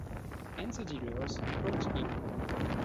And the dealers court him.